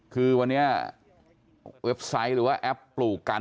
คือวันนี้เว็บไซต์หรือว่าแอปปลูกกัน